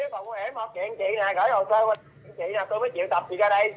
bên phía phòng quốc hệ mà kiện chị nè gửi hồ sơ qua chị nè tôi mới chịu tập chị ra đây